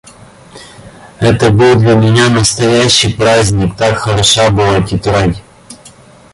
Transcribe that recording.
Это был для меня настоящий праздник, так хороша была тетрадь!